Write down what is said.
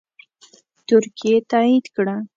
ترکیې تایید کړه